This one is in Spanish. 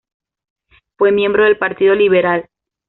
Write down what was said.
Fue miembro del partido liberal.